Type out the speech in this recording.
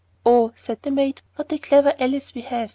Then said the maid: 'What a clever Elsie we have!